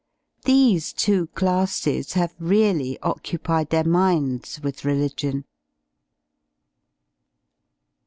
These two classes have really occupied their minds with ~ religion.